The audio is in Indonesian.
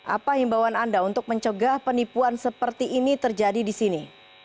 apa himbauan anda untuk mencegah penipuan seperti ini terjadi di sini